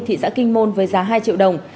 thị xã kinh môn với giá hai triệu đồng